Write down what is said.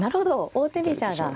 王手飛車が。